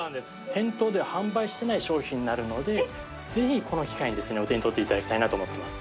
店頭では販売していない商品になるのでぜひこの機会にですねお手に取って頂きたいなと思ってます。